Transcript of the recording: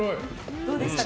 どうでしたか。